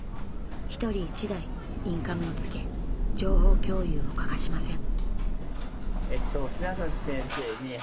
１人１台インカムをつけ情報共有を欠かしません。